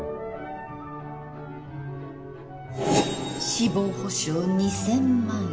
死亡保障 ２，０００ 万円？